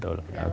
dalam ya pak